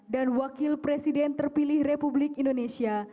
dan wakil presiden terpilih republik indonesia